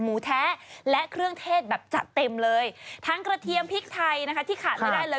หมูแท้และเครื่องเทชแบบจะเต็มเลยทั้งกระเทียมพีชไทยที่ขาดไม่ได้เลย